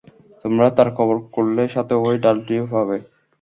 তোমরা তার কবর খুঁড়লে সাথে ঐ ডালটিও পাবে।